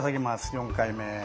４回目。